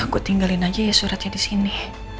aku tinggalin aja ya suratnya di sini